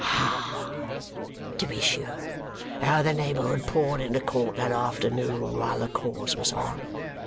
Hi! To be sure, how the neighbourhood poured into court that afternoon while the cause was on!